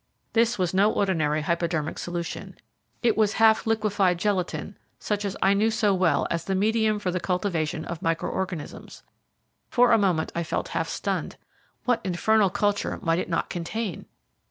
This was no ordinary hypodermic solution. It was half liquefied gelatine such as I knew so well as the medium for the cultivation of micro organisms. For a moment I felt half stunned. What infernal culture might it not contain?